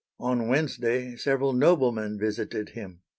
"On Wednesday several noblemen visited him."